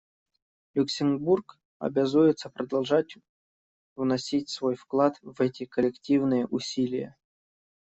Люксембург обязуется продолжать вносить свой вклад в эти коллективные усилия.